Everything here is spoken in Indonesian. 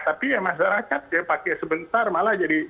tapi ya masyarakat dia pakai sebentar malah jadi itu